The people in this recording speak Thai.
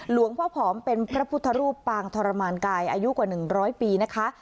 หลวงพ่อผอมเป็นพระพุทธรูปปางทรมานกายอายุกว่า๑๐๐ปีนะคะ